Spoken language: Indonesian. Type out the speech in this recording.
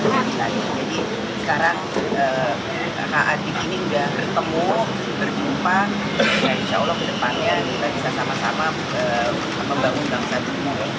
insya allah kedepannya kita bisa sama sama membangun bangsa jum'at